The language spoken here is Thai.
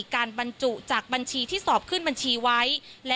บรรจุจากบัญชีที่สอบขึ้นบัญชีไว้